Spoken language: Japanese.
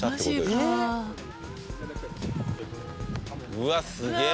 うわっすげえ！